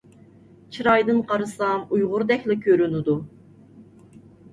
چىرايىدىن قارىسام ئۇيغۇردەكلا كۆرۈنىدۇ.